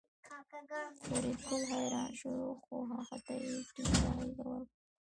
فریدګل حیران شو خو هغه ته یې ټینګه غېږه ورکړه